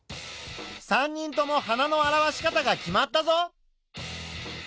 ３人とも花の表し方が決まったぞ。